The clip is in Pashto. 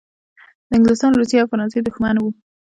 د انګلستان، روسیې او فرانسې دښمن وو.